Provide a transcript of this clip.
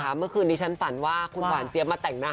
ทำนี้ฉันฝันว่าคุณหวานเจี้ยมมาแต่งหน้า